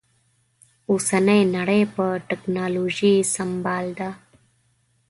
اوسنۍ نړۍ په ټکنالوژي سمبال ده